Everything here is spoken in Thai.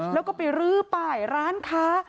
แล้วก็ไปรื้อป้ายร้านค้า